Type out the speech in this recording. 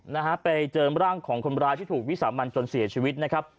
นะฮะไปเจอร่างของคนร้ายที่ถูกวิสามันจนเสียชีวิตนะครับ